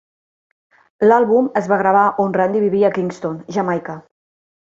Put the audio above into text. L'àlbum es va gravar on Randy vivia a Kingston, Jamaica.